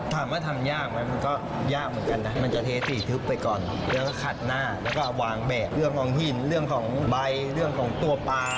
ถามว่าทำยากไหมมันก็ยากเหมือนกันนะมันจะเทสีทึบไปก่อนแล้วก็ขัดหน้าแล้วก็วางแบบเรื่องของหินเรื่องของใบเรื่องของตัวปลา